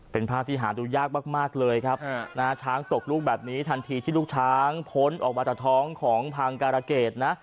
เป็นภาพที่หาดูยากมากเลยครับนะฮะช้างตกลูกแบบนี้ทันทีที่ลูกช้างพ้นออกมาจากท้องของพังการะเกดนะ